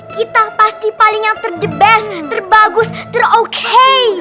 kita pasti paling yang ter the best ter bagus ter oke